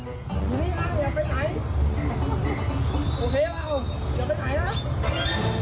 โอเคแล้วอย่าไปไหนล่ะ